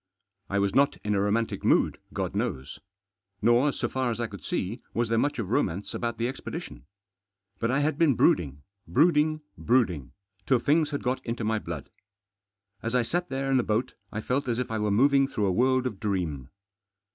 I was not in a romantic mood, God knows. Nor, so far as I could see, was there much of romance about the expedition. But I had been brooding, brooding, brooding, till things had got into my blood. As I sat there in the boat I felt as if I were moving through a world of dream.